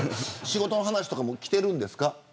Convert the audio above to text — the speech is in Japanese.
仕事の話とかきているんですか。